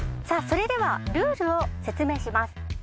さあそれではルールを説明します。